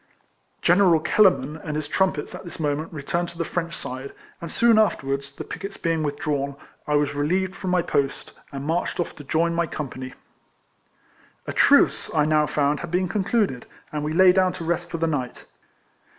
General Kellerman and his trumpets at this moment returned to the French side; and soon afterwards, the picquets being with drawn, I was relieved from my post, and marched off to join my company. A truce, I now found, had been concluded, and we lay down to rest for the night.